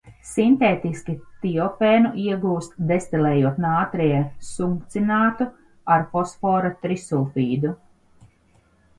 Sintētiski tiofēnu iegūst, destilējot nātrija sukcinātu ar fosfora trisulfīdu.